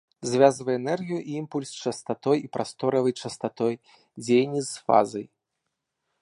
Звязвае энергію і імпульс з частатой і прасторавай частатой, дзеянні з фазай.